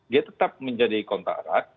dia tetap menjadi kontak erat